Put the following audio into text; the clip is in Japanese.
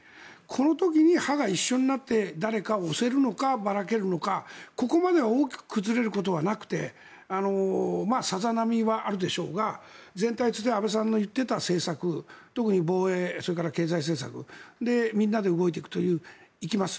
この時に派が一緒になって誰かを推せるのかばらけるのか、ここまでは大きく崩れることはなくてさざ波はあるでしょうが全体としては安倍さんが言っていた政策防衛、経済政策でみんなで動いていきます。